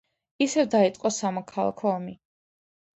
ისევ დაიწყო სამოქალაქო ომი.